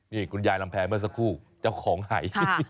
นี่คุณยายลำแพงเมื่อสักครู่เจ้าของหาย